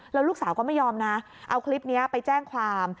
แล้วลูกสาวก็ไม่ยอมนะเอาคลิปนี้ไปแจ้งความ